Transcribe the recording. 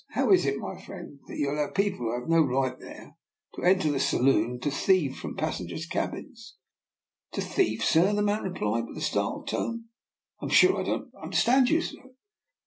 " How is it, my friend, that you allow people, who have no right there, to enter the saloon and to thieve from , the passengers' cabins? "" To thieve, sir! " the man replied, in a startled tone :" I'm sure I don't understand you, sir.